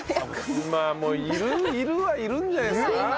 今もいるはいるんじゃないですか？